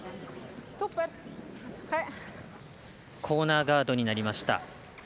コーナーガードになりました。